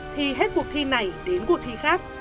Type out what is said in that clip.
thì hết cuộc thi này đến cuộc thi khác